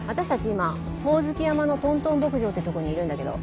今ホオズキ山のトントン牧場ってとこにいるんだけど。